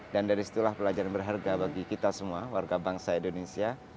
dan dari situlah pelajaran berharga bagi kita semua warga bangsa indonesia